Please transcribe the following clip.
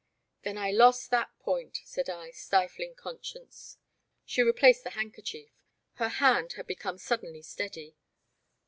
Then I lost that point," said I, stifling con science. She replaced the handkerchief. Her hand had become suddenly steady.